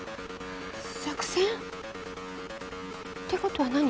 作戦？ってことは何？